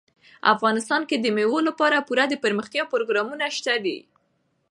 افغانستان کې د مېوو لپاره پوره دپرمختیا پروګرامونه شته دي.